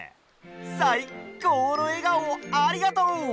さいこうのえがおをありがとう！